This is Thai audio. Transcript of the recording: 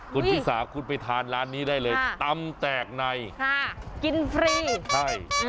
คุณชิสาคุณไปทานร้านนี้ได้เลยตำแตกในกินฟรีใช่